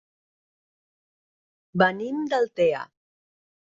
Venim d'Altea.